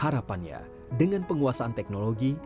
harapannya dengan penguasaan teknologi